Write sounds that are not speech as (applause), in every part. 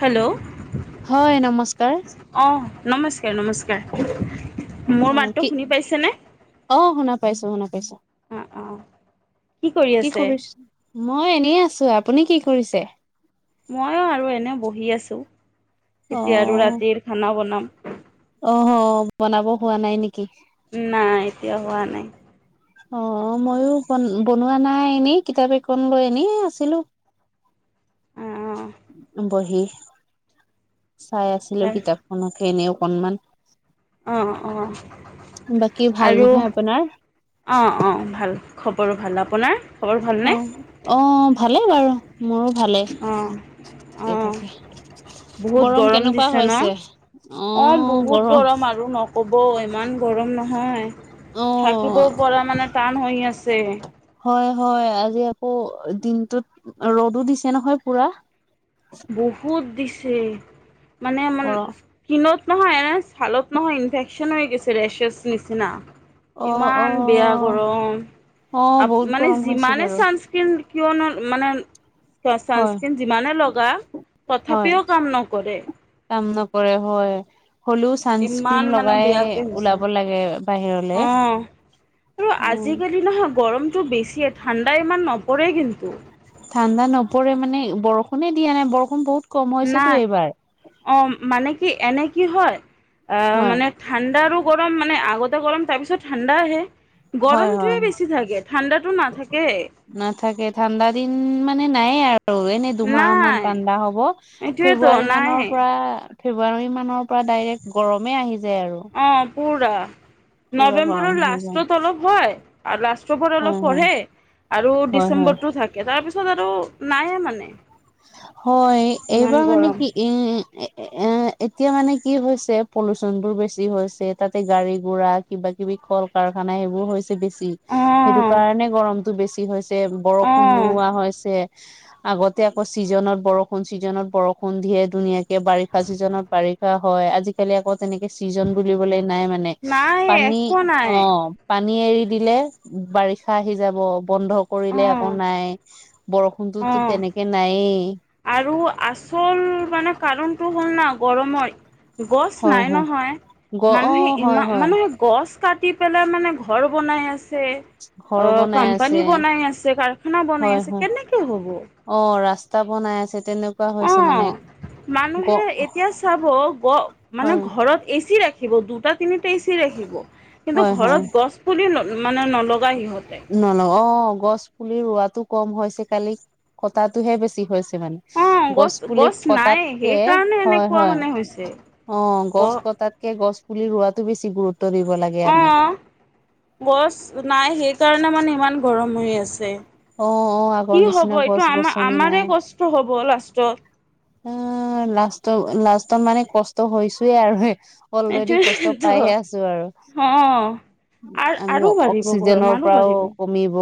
Hello হয় নমস্কাৰ অঁ নমস্কাৰ নমস্কাৰ মোৰ অ মাতটো কি শুনি পাইছে নে অ শুনা পাইছো শুনা পাইছো অঁ কৰি কি আছে কৰিছ মই এনেই আছো আপুনি কি কৰিছে ময়ো আৰু এনে বহি আছো এতিয়া আৰু ৰাতিৰ খানা বনাম অহো বনাব হোৱা নাই নেকি নাই, এতিয়া হোৱা নাই। অ' মইয়ো বন বনোৱা নাই এনেই কিতাপ একন লৈ এনে আছিলোঁ। অঁ বহি চাই আছিলোঁ কিতাপখনকে এনেও অকণমান অ' অ' বাকী ভাল আৰু নহয় আপোনাৰ অ' অ' ভাল। খবৰো ভাল, আপোনাৰ? খবৰ ভালনে অহ' অ' ভালেই বাৰু। মোৰো ভালে অঁ ঠিকে অঁ থাকে। বহুত গৰম কেনেকুৱা দিছে না হৈছে অ' বহুত গৰম আৰু ন ন'কব, ইমান গৰম নহয় থাকিব অ পৰা মানে টান হৈ আছে। হয়, হয়। আজি আকৌ দিনটোত ৰ'দো দিছে নহয় পুৰা। বহুত দিছে মানে মান গৰ কিনত নহয়। এনে ছালত নহয় ইনফেকশ্যন হৈ গৈছে ৰেচেছ নিচিনা। অ অ ইমান বেয়া গৰম অ আহ বহুত মানে গৰম হৈছে যিমানে বাৰু চানস্ক্ৰীণ কিয়নো মানে হয় ছানস্ক্ৰীন যিমানে লগা হয় তথাপিও কাম নকৰে। কাম নকৰে হয় হলেও ইমান ছানস্ক্ৰীন মানে লগাই বেয়াকে হৈছে ওলাব লাগে বাহিৰলে অ আৰু উম আজিকালি নহয় গৰম বেছিয়ে ঠাণ্ডা ইমান নপৰে কিন্তু ঠাণ্ডা নপৰে মানে বৰষুণে দিয়া নাই বৰষুণ বহুত কম হৈছেতো নাই এইবাৰ অ মানে কি এনে কি হয় আ হয় মানে ঠাণ্ডাৰো গৰম মানে আগতে গৰম তাৰ পিছত ঠাণ্ডা আহে হয় গৰমটোৱে হয় বেছি থাকে ঠাণ্ডাটো নাথাকে নাথাকে ঠাণ্ডা দিন মানে নাই আৰু আৰু এনেই দুমাহ মান নাই ঠাণ্ডা হব এইটোৱেতো ফেব্ৰুৱাৰী নাই মানৰ পৰা ফেব্ৰুৱাৰী মানৰ পৰা ডাইৰেক্ট গৰমেই আহি যায় আৰু অ' পুৰা পুৰা গৰম নৱেম্বৰৰ হৈ যায় লাষ্টত অলপ হয় আৰু লাষ্ট অক্টোবৰত অলপ হয় হয় পঢ়ে আৰু হয় হয় ডিচেম্বৰতটো থাকে তাৰপিছত আৰু নায়ে মানে হয় ইমান এইবাৰ মানে গৰম। কি এ এ এতিয়া মানে কি হৈছে পলুচন বোৰ বেছি হৈছে তাতে গাড়ী গুৰা কিবা কিবি কল কাৰ কাৰণে এইবোৰ হৈছে বেছি সেইটো অ' কাৰণে গৰমতটো বেছি হৈছে বৰষুণ অ' নোহোৱা হৈছে আগতে আকৌ চিজনত বৰষুণ চিজনত বৰষুণ দিয়ে ধুনীয়াকে বাৰিষা চিজনত বাৰিষা হয় আজিকালি আকৌ তেনেকে চিজন বুলিবলে নাই মানে নাই পানী একো নাই অ পানী এৰি দিলে বাৰিষা আহি যাব বন্ধ কৰিলে আকৌ অ' নাই বৰষুণটোতো অ'। তেনেকে নায়েই আৰু আচল মানে কাৰণতটো হ'ল না গৰমত গছ হয় নাই হয় নহয় গ অ মানুহে হয় ইমান হয় মানুহে গছ কাট কাটি পেলাই মানে ঘৰ বনাই আছ ছে, ঘৰ অ বনাই আছে কোম্পানী বনাই আছে কাৰখানা বনাই হয় আছে হয় কেনেকে হব অ ৰাস্তা বনাই আছে। তেনেকুৱা অ হৈছে মানে গ মানুহে এতিয়া চাব গ মানে হয় ঘৰত এ চি ৰাখ খিব দুটা তিনিটা এ চি ৰাখিব কিন্তু হয় হয় গছ পুলি ন মানে নল নল, অ গছ পুলি ৰোৱাটো কম হৈছে কালি কটাটোহে বেছি হৈছ তে মানে অ' গছ পুলি নাই কটাতকে, সেইকাৰণে হয় এনেকুৱা হয়। মানে হৈছে অ গ গছ কটাতকে গছ পুলি ৰোৱাটো বেছি গুৰুত অ গছ নাই সেইকাৰণে মানে ইমান গৰম হৈ আছে। অ অ আগৰ কি নিচিনা হব গছ এইটো আমাৰ গছনি নাই আমাৰে কষ্ট হ'ব লাষ্টত। অ', লাষ্ট-লাষ্টত মানে কষ্ট হৈছেই আৰু। অলৰেডি কষ্ট এইটোৱেটো। পাইহে আছোঁ আৰু। অ আৰ আমি আৰু বাঢ়িব গৰম অক্সিজেনৰ আৰু পৰাও বাঢ়িব কমিব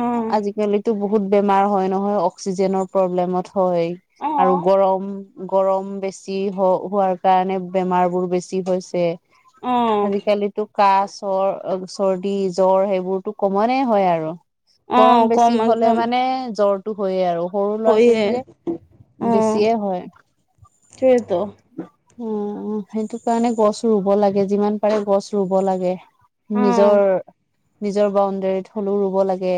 অ আজিকালিতো বহুত বেমাৰ হয় নহয় অক্সিজেনৰ প্ৰব্লেমত। হয় অ আৰু গৰম গৰম বেছি হ হোৱাৰ কাৰণে বেমাৰ বোৰ বেছি হৈছে। অ আজিকালিতো কাহ চৰ চৰ্দি জ্বৰ সেইবোৰতো কমনে হয় আৰু। অ গৰম কম বেছি হ'লে একদম মানে জ্বৰটো হয়য়ে আৰু। সৰু ল'ৰা হয়ে ছোৱালীয়ে অ বেছিয়ে হয়। সেইটোৱেতো। উম সেইটো কাৰণে গছ ৰুব লাগে যিমান পাৰে গছ ৰুব লাগে। অ নিজৰ নিজৰ বাউণ্ডৰীত হলেও ৰুব লাগে।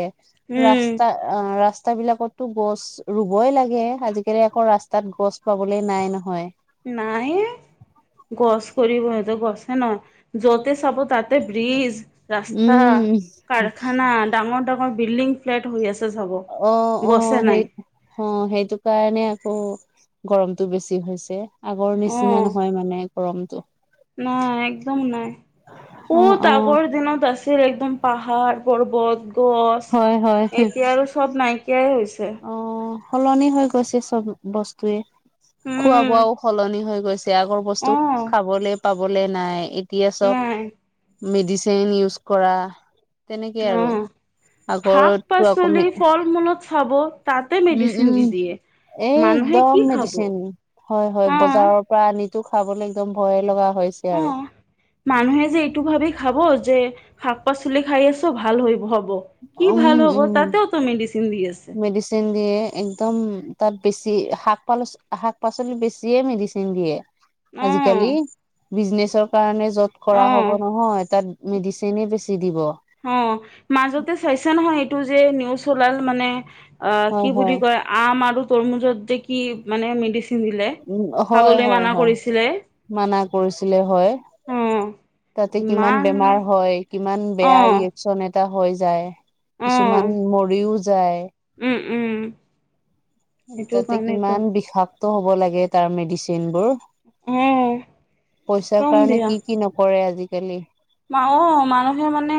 উম ৰাস্তা অ ৰা ৰাস্তা বিলাকতো গছ ৰুবই লাগে আজিকালি আকৌ ৰাস্তাত গছ পাবলে নাই নহয়। নাইয়ে। গছ কৰিব সিহঁতে গছে নহয় য'তে চাব তাতে ব্ৰিজ। ৰাস্তা, উম কাৰখানা ডাঙৰ ডাঙৰ বিল্ডিং ফ্লেট হৈ আছে। চাব অ, অ, গছে নাই সেই অ' সেইটো কাৰণে আকৌ গৰমটো বেছি হৈছে আগৰ অ নিচিনা নহয় মানে গৰমটো। নাই একদম নাই অ ক'ত অ আগৰ দিনত আছে একদম পাহাৰ, পৰ্বত, গছ হয় হয় এতিয়া আৰু সব নাই কিয়াই হৈছে। অ সলনি হৈ গৈছে চব বস্তুৱে খোৱা উম বোৱাও সলনি হৈ গৈছে আগৰ বস্তু অ খাবলে পাবলে নাই এতিয়া চব নাই মেডিচিন ইউজ কৰা তেনেকে অ, আৰু শাক আগৰতো আকৌ পাচলি ফল মূলত চাব তাতে উম মেডিচিন দি উম দিয়ে। এই মানুহে কি একদম খাব মেডিচিন হয় হয়, অ বজাৰৰ পৰা আনিতো খাবলৈ একদম ভয়ে লগা হৈছে অ, আৰু মানুহে যে এইটো ভাবি খাব যে শাক -পাচলি খাই আছোঁ ভাল হৈ হব কি উম ভাল হব উম তাতেও তো মিডিচি মেডিচিন দিয়ে একদম তাত বেছি শাক পাচ শাক -পাচলি বেছিয়ে মেডিচিন দিয়ে। অঁ আজিকালি বিজনেচৰ কাৰণে য'ত কৰা অঁ হ'ব নহয় তাত মেডিচিনে বেছি দিব। অ, মাজতে চাইছে নহয় এইটো যে নিউজ ওলাল মানে অ'কি হয় বুলি হয় কয় আম আৰু তৰমুজত যে কি মানে মে- উম হয়, হয়, হয় মানা কৰিছিলে হয় অঁ তাতে কিমান ইমান বেমাৰ হয় কিমান ইমান বেয়া অঁ ৰিয়েকচন এটা হৈ যায় অঁ কিছুমান মৰিও যায়। উম উম। সেইটো তাতে কাৰণেতো কিমান বিষাক্ত হ'ব লাগে তাৰ মেডিচিন বোৰ। অঁ পইচাৰ কাৰণে কি কি নকৰে আজিকালি। মা অ'মানুহে মানে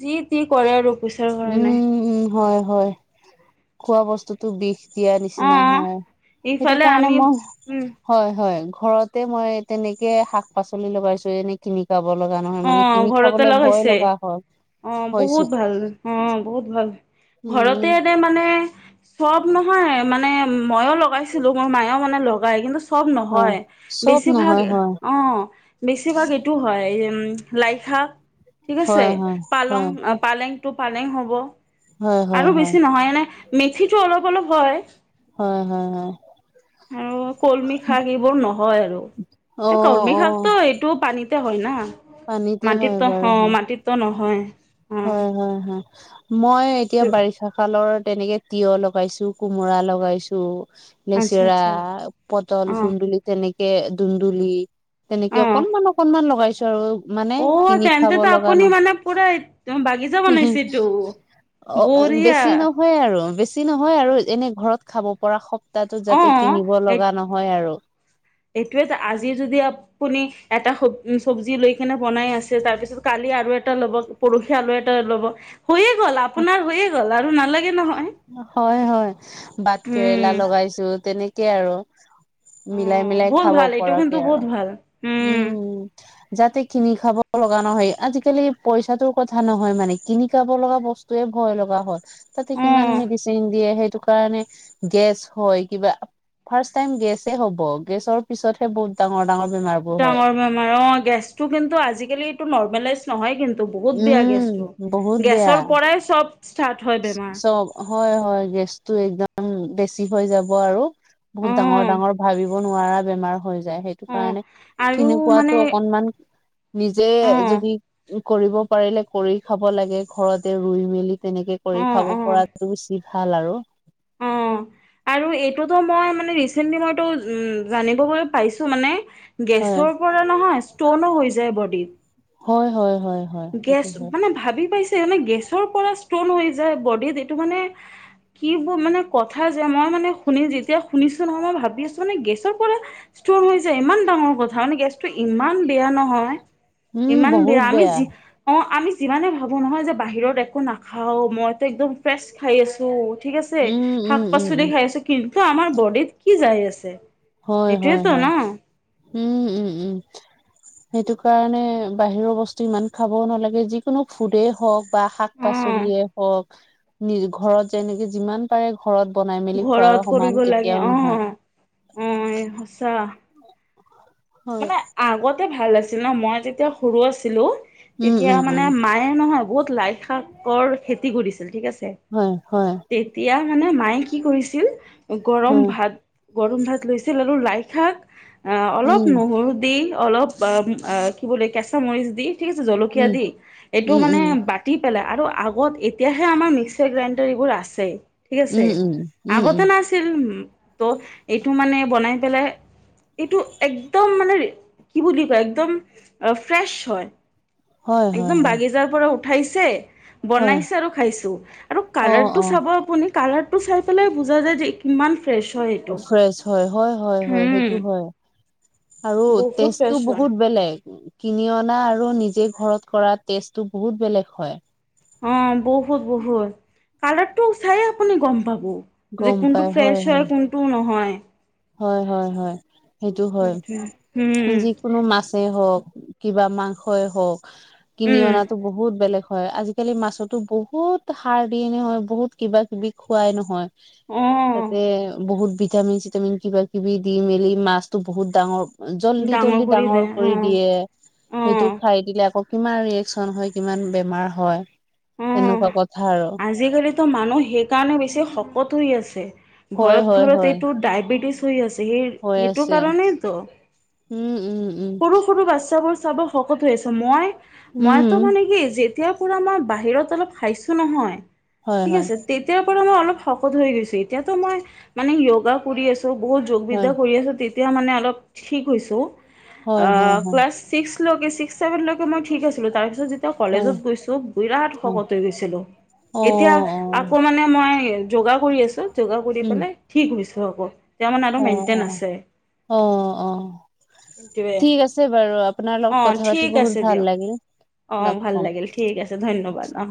যি তি কৰে আৰু পইচাৰ কাৰণে। উম উম হয় হয়, খোৱা বস্তুতটো বিষ দিয়াৰ অ নিচিনা হয় সেইটো ইফালে কাৰণে আমি মই উম হয় হয়। ঘৰতে মই তেনেকে শাক-পাচলি লগাইছো এনে কিনি খাব লগা নহয় অ মানে কিনি ঘৰতে খাবলে ভয় লগাইছে লগা হয় অ হৈছে বহুত ভাল অ, বহুত ভাল ঘৰতে উম এনে মানে চব নহয় মানে মইও লগাইছিলো মোৰ মায়েও মানে লগাই কিন্তু চব হয় নহয়, চব বেছিভাগ নহয় হয় অ'বেছিভাগ এইটো হয় লাই শাক ঠিক আছে হয় হয় পালং হয় পালেং টো পালেং হ'ব। হয় হয় হয় আৰু হয়। বেছি নহয় এনে মেথিটো অলপ অলপ হয়। অ'। আৰু কলমি শাক এইবোৰ নহয় আৰু, অ এ কলমি অ শাকটো এইটো পানীত হয় না, পানীতে হয় মাটিতো বাৰু হ, হয় মাটিতটো নহয়। অ হয়, হয়, হয়। মই এতিয়া বাৰিষা কালৰ তেনেকে তিঁয়হ লগাইছো, কোমোৰা লগাইছো আচ্ছা লেচেৰা, আচ্ছা পটল, অ কুন্দুলি তেনেকে ধুন্দুলি অ তেনেকে অকনমান অকনমান লগাইছো আৰু, মানে অ কিনি খাব তেন্তেতো লগা আপুনি নহ মানে পুৰা বাগিচা হোহো। বনাইছেতো অ', বঢ়িয়া বেছি নহয় আৰু আৰু বেছি নহয় আৰু এনে ঘৰত খাব পৰা সপ্তাহটো অ যাতে কিনিব লগা নহয় আৰু। এইটোৱে যে আজি যদি আপুনি এটা খব'উম-চবজি লৈকেনে বনাই আছে, তাৰপিছত কালি আৰু এটা ল'ব, পৰহি আৰুএটা ল'ব। হৈয়ে গ'ল, আপোনাৰ হৈয়ে গ'ল, আৰু নালাগে নহয়। হয়, হয়। বাট কেৰেলা উম লগাইছো তেনেকে আৰু অ', মিলাই-মিলাই বহুত খাব ভাল এইটো কিন্তু পৰাকে বহুত আৰু। ভাল উম, যাতে কিনি খাব লগা নহয়। আজিকালি পইচাটোৰ কথা নহয় মানে কিনি খাব লগা বস্তোৱে ভয় লগা হ'ল। তাতে কিমান অ'। মেডিচিন দিয়ে। সেইটো কাৰণে গেছ হয় কিবা ফাৰ্ষ্ট টাইম গেছে হ'ব। গেছৰ পিছতহে বহুত ডাঙৰ-ডাঙৰ ডাঙৰ বেমাৰ, অ', গেছটো কিন্তু আজিকালি এইটো নৰ্মেলাইজ নহয় কিন্তু, বহুত বেয়া উম গেছট। বহুত বেয়া গেছৰ পৰাই চব ষ্টাৰ্ট হয় বেমাৰ চব, হয়, হয়। গেছতটো একদম বেছি হৈ যাব আৰু বহুত অ', ডাঙৰ-ডাঙৰ ভাবিব নোৱাৰা বেমাৰ হৈ যায়। সেইটো অ'। কাৰণে আৰু কিনি মানে খোৱাতো অকনমান নিজে অ', যদি কৰিব পাৰিলে কৰি খাব লাগে। ঘৰতে ৰুই-মেলি তেনেকে কৰি অ', খাব পৰাটো উচিত। ভাল আৰু উম। আৰু এইটোতো মই মানে ৰিচেন্টলি, মইতো উম, জানিবলৈ পাইছো মানে হয় গেছৰ পৰা নহয় ষ্টনো হৈ যায় বডীত। হয়, হয়, হয়। হয় গেছ, সেইটো হয় মানে ভাবি পাইছে মানে গেছৰ পৰা ষ্টন হৈ যায় বডিত এইটো মানে কিবোৰ মানে কথা যে মই মানে শুনি যেতিয়া শুনিছো নহয়, মই ভাবি আছো মানে গেছৰ পৰা ষ্টন হৈ যায় ইমান ডাঙৰ কথা। মানে গেছটো ইমান বেয়া নহয়, উম ইমান বহুত বেয়া। আমি যি অ', আমি যিমানেই ভাবোঁ নহয় যে বাহিৰত একো নাখাওঁ, মইতো একদম ফ্ৰেছ খাই আছো। ঠিক আছে। উম উম শাক উম পাচলি উম খাই আছো। কিন্তু আমাৰ বডিত কি যাই আছে? হয়, হয়, এইটোয়েতো ন হয়। উম, উম, উম। সেইটো কাৰণে বাহিৰৰ বস্তু ইমান খাবও নালাগে। যিকোনো ফুডেই হওঁক বা শাক অ পাচলিয়ে হওক। নি-ঘৰত যেনেকে যিমান পাৰে ঘৰত বনাই মেলি খোৱাৰ সমান কেতিয়াও নহয়। উম, সঁচা। হয় মানে আগতে ভাল আছিল ন। মই যেতিয়া সৰু আছিলো উম তেতিয়া উম মানে উম মায়ে নহয় বহুত লাই শাকৰ খেতি কৰিছিল ঠিক আছে হয় হয় তেতিয়া মানে মায়ে কি কৰিছিল গৰম হয় ভাত, গৰম ভাত লৈছিল আৰু লাইশাক উম। নহৰু দি অলপ ব-আ কি বোলে, কেঁচামৰিচ দি ঠিক আছে, জলকীয়া উম দি এইটো উম মানে উম বাতি পেলা আৰু আগত এতিয়াহে আমাৰ মিক্সাৰ গ্ৰাইণ্ডাৰ এইবোৰ আছে। ঠিক আছে, উম, উম, উম, আগতে উম, নাছিল। ত' এইটো মানে বনাই পেলাই এইটো এক একদম মানে কি বুলি কয়, একদম ফ্ৰেছ হয়। হয়, হয়, একদম হয়, বাগিচাৰ পৰা উঠাইছে হয়, বনাইছে আৰু খাইছো আৰু কালাৰ টো অ', চাব আপুনি কালাৰটো চাই পেলাই বুজা যায় যে কিমান ফ্ৰেছ হয় উ এইটো চইছ হয়, হয়, হয়, হয় উম সেইটো হয়। আৰু বহুত টেষ্ট টো ফ্ৰেছ হয় বহুত বেলেগ। কিনি অনা আৰু নিজে ঘৰত কৰা টেষ্টটো বহুত বেলেগ হয়। অ' বহুত বহুত কালাৰ টো চাইয়ে আপুনি গ'ম পাব। যে কোনটো ফ্ৰেছ হয়, কোনটো নহয়। হয়, হয়, হয়। সেইটো হয়। উম যিকোনো মাছে হওঁক। কিবা মাংসই হওঁক, কিনি উম অনাতো বহুত বেলেগ। হয়, আজিকালি মাছতো বহুত সাৰ দিয়ে নহয়, বহুত কিবা কিবি খোৱাই নহয়। অ তাতে বহুত ভিটামিন চিটামিন কিবা কিবি দি মেলি মাছতো বহুত ডাঙৰ জল্দি জল্দি ডাঙৰ কৰি দিয়ে, সেইটো খাই দিলে আকৌ কিমান ৰিয়েকচন হয়, কিমান বেমাৰ হয় তেনেকুৱা কথা আৰু। আজিকালিটো মানুহ সেইকাৰণে বেছি শকত হৈ আছে, হয় ঘৰত হয় ঘৰত হয় এইটো ডায়েবেটিছ (unintelligible) হৈ সেইটো আছে কাৰণেইতো। উম উম উম সৰু সৰু বাচ্ছাবোৰ চাব শকত হৈ আছে, মই-মইতো উম মানে কি যে তেতিয়াৰ পৰা মই বাহিৰত অলপ খাইছো নহয়, হয় ঠিক হয় আছে তেতিয়াৰ প পৰা মই অলপ শকত হৈ গৈছো, এতিয়াতো মই মানে য়োগা কৰি আছো, বহুত যোগ হয় বিদ্যা কৰি আছো এতিয়া মানে অলপ থিক হৈছো, হয় হয় অ', হয় প্লাছ ছিক্স (unintelligible) চিক্স ছেভনলৈকে মই ঠিক আছিলো, তাৰপিছত যে (unintelligible) হয় কলেজত গৈছো বিৰাট হয় শকত হৈ গৈছিলো, অ এতিয়া অ আকৌ মানে মই যোগা কৰি আছো, যোগা কৰি উম পেলাই ঠিক হৈছোঁ আকৌ। (unintelligible) মানে অলপ অ মেইনটেইন অ আছে। অ অ সেইটোৱে। ঠিক আছে বাৰু, আপোনাৰ লগত অ' কথা ঠিক পাতি আছে বহুত দিয়ক ভাল লাগিল। অ' লগ ভাল পাম। লাগিল ঠিক আছে ধন্যবাদ অ'।